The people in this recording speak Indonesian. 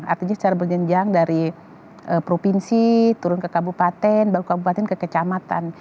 artinya secara berjenjang dari provinsi turun ke kabupaten baru kabupaten ke kecamatan